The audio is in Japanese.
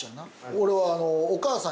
俺は。